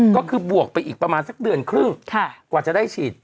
ก็คือบวกไปอีกประมาณสักเดือนครึ่งกว่าจะได้ฉีด